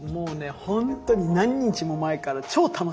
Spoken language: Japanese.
本当に何日も前から超楽しみにしてて。